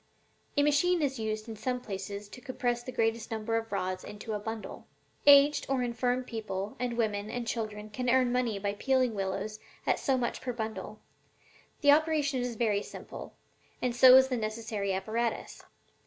A machine is used in some places to compress the greatest number of rods into a bundle. [Illustration: THE POLLARD WILLOW IN WINTER.] "'Aged or infirm people and women and children can earn money by peeling willows at so much per bundle. The operation is very simple, and so is the necessary apparatus.